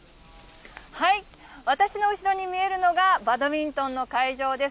私の後ろに見えるのが、バドミントンの会場です。